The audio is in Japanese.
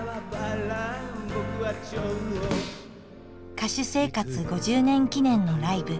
歌手生活５０年記念のライブ。